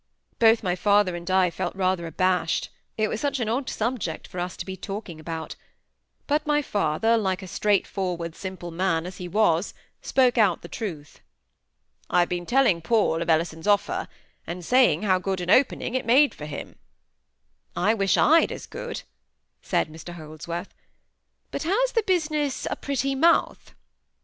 Both my father and I felt rather abashed; it was such an odd subject for us to be talking about; but my father, like a straightforward simple man as he was, spoke out the truth. "I've been telling Paul of Ellison's offer, and saying how good an opening it made for him—" "I wish I'd as good," said Mr Holdsworth. "But has the business a 'pretty mouth'?